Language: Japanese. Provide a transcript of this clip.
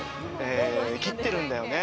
切ってるんだよね。